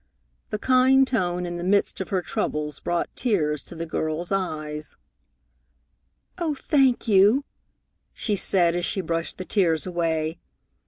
The kind tone in the midst of her troubles brought tears to the girl's eyes. "Oh, thank you!" she said as she brushed the tears away.